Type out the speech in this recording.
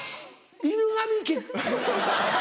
『犬神家』。